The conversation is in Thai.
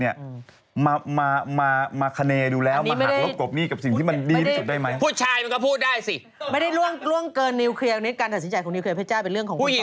เออมันต้องมาแชร์